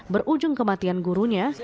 berujung kematian gurunya